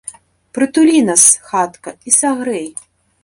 Прытулі нас, хатка, і сагрэй!